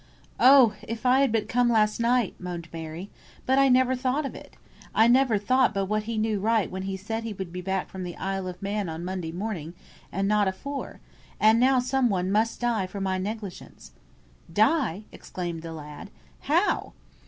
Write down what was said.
"Oh! if I had but come last night!" moaned Mary. "But I never thought of it. I never thought but what he knew right when he said he would be back from the Isle of Man on Monday morning, and not afore and now some one must die for my negligence!" "Die!" exclaimed the lad. "How?"